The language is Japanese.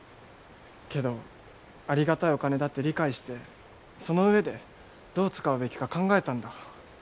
けどありがたいお金だって理解してそのうえでどう使うべきか考えたんだ。